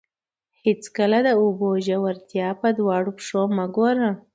هېڅکله د اوبو ژورتیا په دواړو پښو مه ګوره.